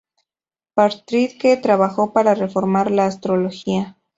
Partridge trabajó para reformar la astrología.